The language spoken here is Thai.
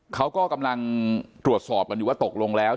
เขาก็กำลังตรวจสอบกันอยู่ว่าตกลงแล้ว